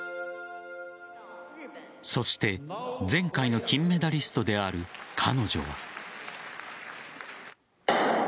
そして前回の金メダリストである彼女は。